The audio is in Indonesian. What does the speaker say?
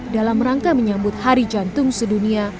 dalam rangka menyambut hari jantung sedunia